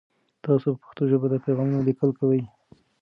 تاسو په پښتو ژبه د پیغامونو لیکل کوئ؟